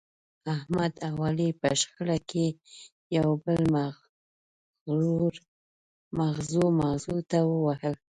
احمد او علي په شخړه کې یو بل مغزو مغزو ته ووهل.